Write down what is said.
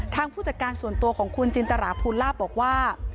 ผู้จัดการส่วนตัวของคุณจินตราภูลาภบอกว่า